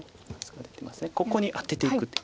ここにアテていく。